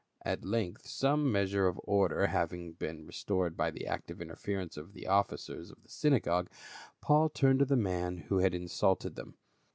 At length some measure of order having been 288 PA UL. restored by the active interference of the officers of the synagogue, Paul turned to the man who had insulted them.